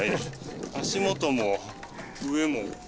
足元も上も。